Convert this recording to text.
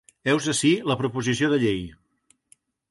Heus ací la proposició de llei.